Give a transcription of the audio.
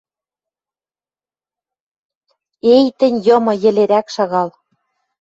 «Эй, тӹнь, йымы! Йӹлерӓк шагал!